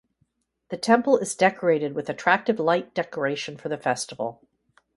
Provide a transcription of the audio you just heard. The temple is decorated with attractive light decoration for the festival.